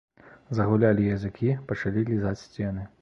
Загулялі языкі, пачалі лізаць сцены.